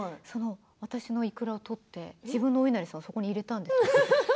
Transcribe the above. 私のいくらを取って自分のおいなりさんを入れたんです。